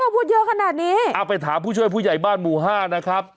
พูดเยอะขนาดนี้เอาไปถามผู้ช่วยผู้ใหญ่บ้านหมู่ห้านะครับ